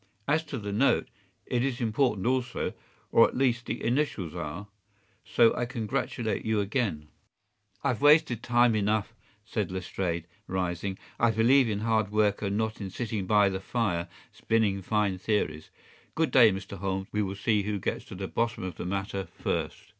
As to the note, it is important also, or at least the initials are, so I congratulate you again.” “I’ve wasted time enough,” said Lestrade, rising. “I believe in hard work, and not in sitting by the fire spinning fine theories. Good day, Mr. Holmes, and we shall see which gets to the bottom of the matter first.